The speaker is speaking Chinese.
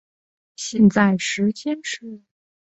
现在时间是。